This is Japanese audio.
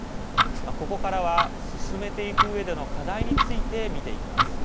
ここからは、進めていくうえでの課題について見ていきます。